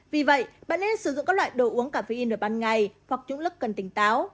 vì vậy bạn nên sử dụng các loại đồ uống cà phê in ở ban ngày hoặc những lúc cần tỉnh táo